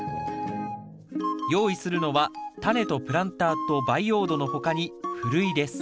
用意するのはタネとプランターと培養土の他にふるいです。